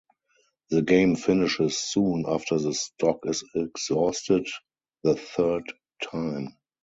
The game finishes soon after the stock is exhausted the third time.